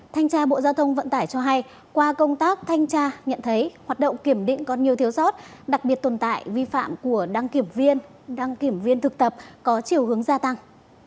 thanh tra bộ giao thông vận tải cho hay qua công tác thanh tra nhận thấy hoạt động kiểm định còn nhiều thiếu sót đặc biệt tồn tại vi phạm của đăng kiểm viên đăng kiểm viên thực tập có chiều hướng gia tăng